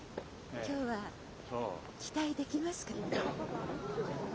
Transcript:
今日は期待できますかね。